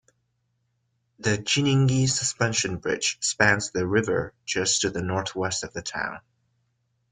The Chinyingi Suspension Bridge spans the river just to the north-west of the town.